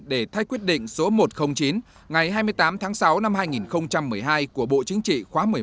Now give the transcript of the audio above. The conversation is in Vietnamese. để thay quyết định số một trăm linh chín ngày hai mươi tám tháng sáu năm hai nghìn một mươi hai của bộ chính trị